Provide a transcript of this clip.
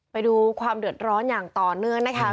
ไปดูความเดือดร้อนอย่างต่อเนื่องนะคะ